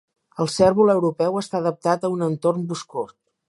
El cérvol europeu està adaptat a un entorn boscós.